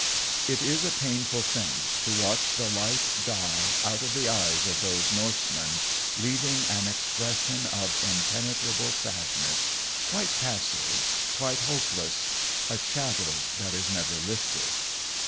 It is a painful thing to watch the light die out of the eyes of those Norsemen, leaving an expression of impenetrable sadness, quite passive, quite hopeless, a shadow that is never lifted.